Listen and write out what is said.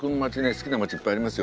好きな街いっぱいありますよ。